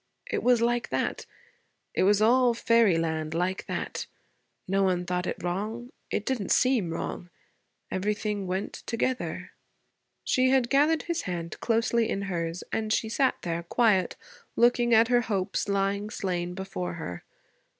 It was like that. It was all fairyland, like that. No one thought it wrong. It didn't seem wrong. Everything went together.' She had gathered his hand closely in hers and she sat there, quiet, looking at her hopes lying slain before her.